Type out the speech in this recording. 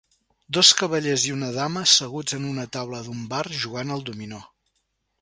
Dos cavallers i una dama asseguts en una taula d'un bar jugant al dominó.